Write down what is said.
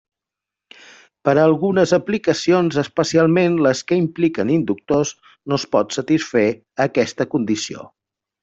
Per a algunes aplicacions, especialment les que impliquen inductors, no es pot satisfer aquesta condició.